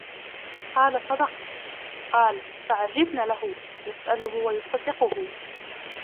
قالَ: صَدَقْتَ. قالَ: فَعَجِبْنا لَهُ، يَسْأَلُهُ وَيُصَدِّقُهُ.